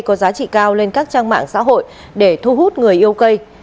có giá trị cao lên các trang mạng xã hội để thu hút người yêu cây